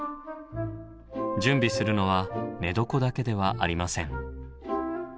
準備するのは寝床だけではありません。